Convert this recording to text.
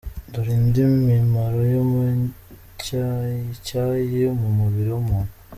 Dore indi mimaro y’umucyayicyayi mu mubiri w’umuntu .